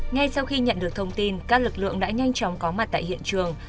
ngay sau khi nhận được thông tin các lực lượng đã nhanh chóng có mặt tại hiện trường